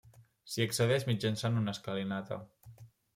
S'hi accedeix mitjançant una escalinata.